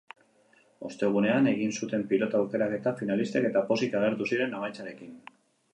Ostegunean egin zuten pilota aukeraketa finalistek eta pozik agertu ziren emaitzarekin.